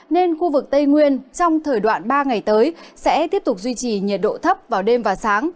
nên khu vực tây nguyên trong thời đoạn ba ngày tới sẽ tiếp tục duy trì nhiệt độ thấp vào đêm và sáng